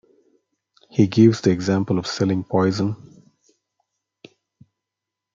He gives the example of selling poison.